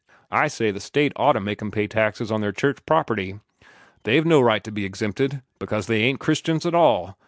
I say the State ought to make 'em pay taxes on their church property. They've no right to be exempted, because they ain't Christians at all.